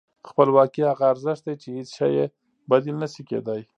خپلواکي هغه ارزښت دی چې هېڅ شی یې بدیل نه شي کېدای.